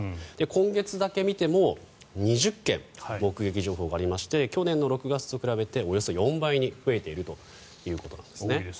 今月だけ見ても２０件、目撃情報がありまして去年の６月と比べておよそ４倍に増えているということです。